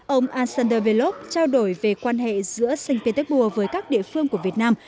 ông alexander belov trao đổi về quan hệ giữa sankt petersburg với các địa phương của việt nam